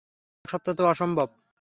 এক সপ্তাহ তো অসম্ভব।